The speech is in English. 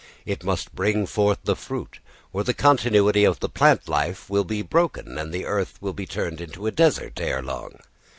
It must bring forth the fruit, or the continuity of plant life will be broken and the earth will be turned into a desert ere long.